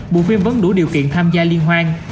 bộ phim vẫn đủ điều kiện tham gia liên hoan